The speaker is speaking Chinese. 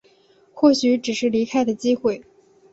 或许只是离开的机会